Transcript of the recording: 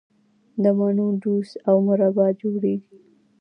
د مڼو جوس او مربا جوړیږي.